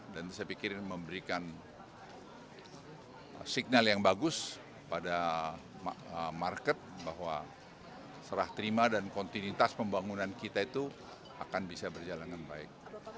dan saya pikir ini memberikan signal yang bagus pada market bahwa serah terima dan kontinitas pembangunan kita itu akan bisa berjalan dengan baik